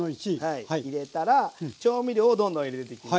入れたら調味料をどんどん入れていきます。